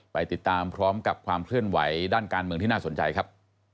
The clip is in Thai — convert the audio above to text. ไปติดตามพร้อมกับความเคลื่อนไหวด้านการเมืองที่น่าสนใจครับ